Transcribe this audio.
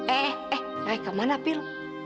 eh eh naik kemana pil